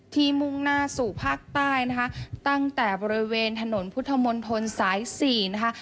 มุ่งหน้าสู่ภาคใต้นะคะตั้งแต่บริเวณถนนพุทธมนตรสายสี่นะคะ